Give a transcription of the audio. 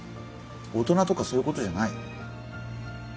大人とかそういうことじゃない。